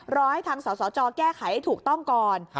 รอให้ทางสสจแก้ไขให้ถูกต้องก่อน